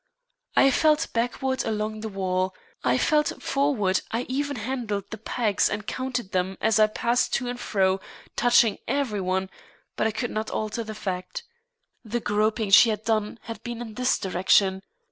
I felt backward along the wall; I felt forward; I even handled the pegs and counted them as I passed to and fro, touching every one; but I could not alter the fact. The groping she had done had been in this direction.